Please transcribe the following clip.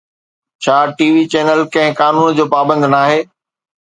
ڇا TV channel ڪنهن قانون جو پابند ناهي؟